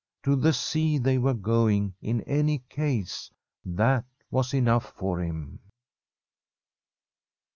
To the sea they were going, in any case — ^that was enough for him.